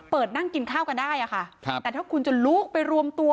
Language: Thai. เปิดนั่งกินข้าวกันได้แต่ถ้าคุณจะลุกไปรวมตัว